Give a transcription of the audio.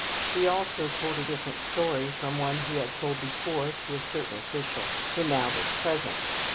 He also told a different story from one he had told before to a certain official who now was present.